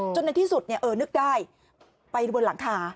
ในที่สุดนึกได้ไปบนหลังคา